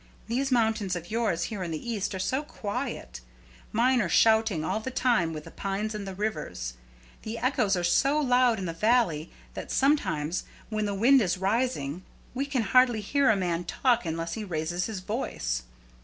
These mountains of yours here in the East are so quiet; mine are shouting all the time, with the pines and the rivers. The echoes are so loud in the valley that sometimes, when the wind is rising, we can hardly hear a man talk unless he raises his voice.